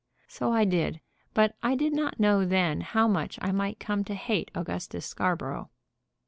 "So I did; but I did not know then how much I might come to hate Augustus Scarborough."